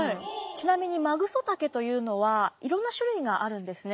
ちなみにマグソタケというのはいろんな種類があるんですね。